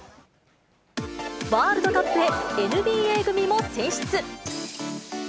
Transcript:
ワールドカップへＮＢＡ組も選出。